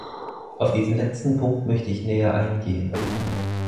Auf diesen letzten Punkt möchte ich näher eingehen.